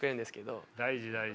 大事大事。